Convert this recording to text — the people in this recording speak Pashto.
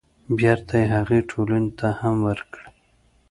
بېرته يې هغې ټولنې ته هم ورکړي.